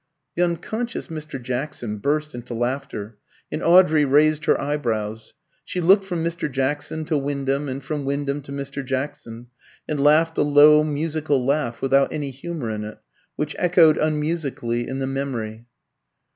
The unconscious Mr. Jackson burst into laughter, and Audrey raised her eyebrows; she looked from Mr. Jackson to Wyndham, and from Wyndham to Mr. Jackson, and laughed a low musical laugh, without any humour in it, which echoed unmusically in the memory.